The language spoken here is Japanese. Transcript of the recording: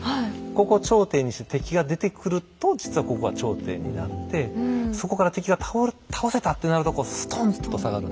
ここ頂点にして敵が出てくると実はここが頂点になってそこから敵が倒せたってなるとこうストンと下がるんですよ。